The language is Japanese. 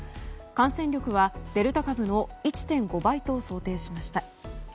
感染力は、デルタ株の１．５倍と想定しました。